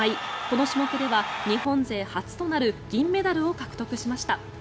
この種目では日本勢初となる銀メダルを獲得しました。